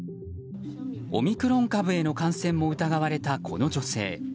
オミクロン株への感染も疑われたこの女性。